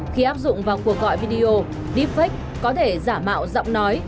khi áp dụng vào cuộc gọi video deepfake có thể giả mạo giọng nói